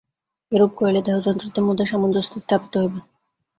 এইরূপ করিলে দেহযন্ত্রটির মধ্যে সামঞ্জস্য স্থাপিত হইবে।